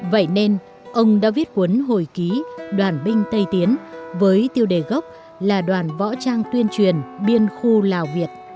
vậy nên ông đã viết cuốn hồi ký đoàn binh tây tiến với tiêu đề gốc là đoàn võ trang tuyên truyền biên khu lào việt